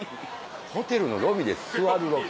ホテルのロビーで座るロケ？